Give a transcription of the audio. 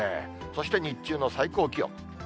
そして日中の最高気温。